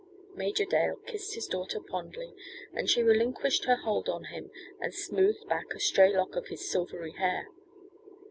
Major Dale kissed his daughter fondly as she relinquished her hold on him, and smoothed back a stray lock of his silvery hair.